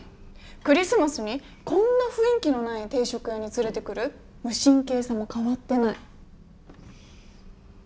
クリスマスにこんな雰囲気のない定食屋に連れてくる無神経さも変わってない。